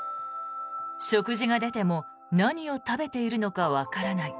食事が出ても何を食べているのかわからない。